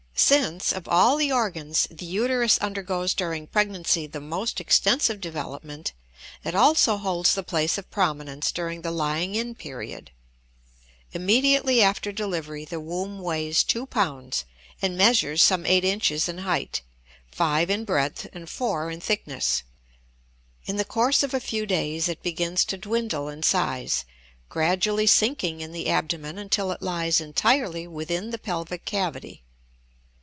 Since of all the organs the uterus undergoes during pregnancy the most extensive development, it also holds the place of prominence during the lying in period. Immediately after delivery the womb weighs two pounds and measures some eight inches in height, five in breadth, and four in thickness. In the course of a few days it begins to dwindle in size, gradually sinking in the abdomen until it lies entirely within the pelvic cavity.